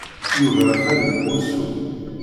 Yuba atan deg wusu.